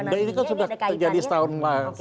ini kan sudah terjadi setahun lalu